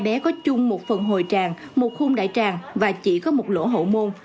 hai bé có chung một phần hồi tràng một khung đại tràng và chỉ có một lỗ hậu môn